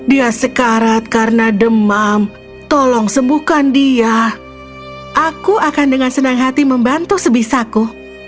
dia sekarat karena demam tolong sembuhkan dia aku akan dengan senang hati membantu sebisaku